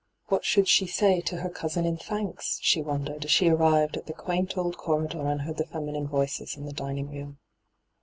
What should she say to her cousin in thanks? she wondered, as she arrived at the quaint old corridor and heard the feminine voices in the dining room.